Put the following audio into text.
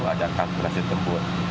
ada kategori yang terbuat